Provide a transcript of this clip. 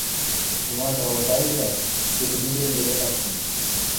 Нимат ровотайыдеӓт, спекулируен веле каштын...